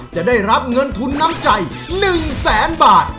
จะได้รับเงินทุนน้ำใจ๑แสนบาท